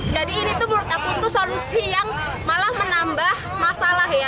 jadi ini menurut aku itu solusi yang malah menambah masalah ya